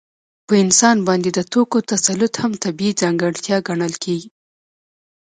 په انسان باندې د توکو تسلط هم طبیعي ځانګړتیا ګڼل کېږي